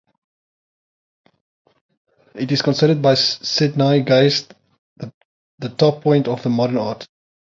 It is considered by Sydnei Geist the top point of the modern art.